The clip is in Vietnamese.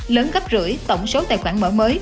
lớn gấp rưỡi tổng số tài khoản mở mới